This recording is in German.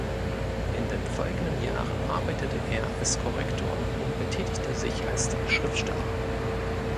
In den folgenden Jahren arbeitete er als Korrektor und betätigte sich als Schriftsteller.